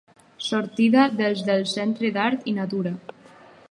Sortida des del Centre d'Art i Natura.